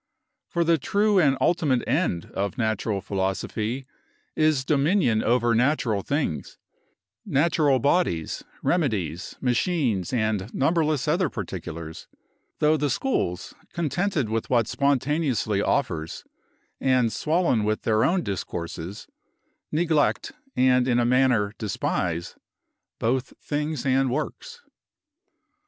For the true and ultimate end of natural philosophy is dominion over natural things, natural bodies, remedies, machines, and numberless other particulars, though the schools, contented with what spontaneously offers, and swollen with their own discourses, neglect, and in a manner despise, both things and works.